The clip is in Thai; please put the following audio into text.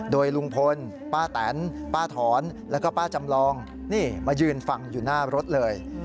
โดยลุงพลป้าแตนป้าถอนแล้วก็ป้าจำลองนี่มายืนฟังอยู่หน้ารถเลย